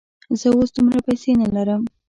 زه اوس دومره پیسې نه لرم.